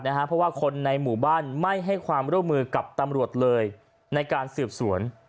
เพราะว่าคนในหมู่บ้านไม่ให้ความร่วมมือกับตำรวจเลยในการสืบสวน